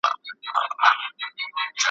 شپې د عمر غلیماني ورځي وخوړې کلونو `